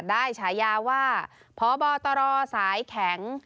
ฉายาว่าพบตรสายแข็ง